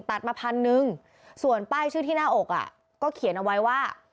ตัดมาพันหนึ่งส่วนป้ายชื่อที่หน้าอกอ่ะก็เขียนเอาไว้ว่า